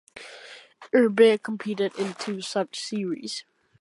Irbe competed in two such series.